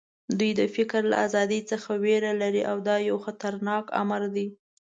دوی د فکر له ازادۍ څخه وېره لري او دا یو خطرناک امر دی